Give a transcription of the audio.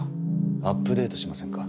アップデートしませんか？